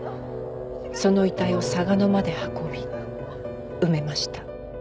その遺体を嵯峨野まで運び埋めました。